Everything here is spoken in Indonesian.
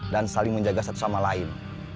dan saling menjaga satu sama lain